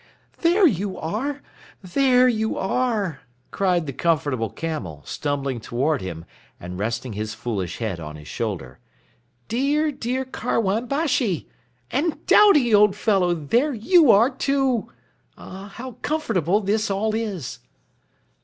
"There you are! There you are!" cried the Comfortable Camel, stumbling toward him and resting his foolish head on his shoulder. "Dear, dear Karwan Bashi! And Doubty, old fellow, there you are too! Ah, how comfortable this all is."